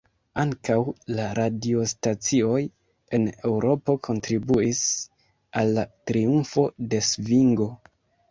Ankaŭ la radiostacioj en Eŭropo kontribuis al la triumfo de svingo.